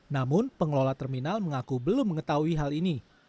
namun pengelola terminal mengaku belum mengetahui hal ini